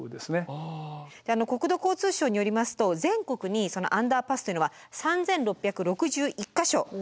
国土交通省によりますと全国にアンダーパスというのは３，６６１か所あります。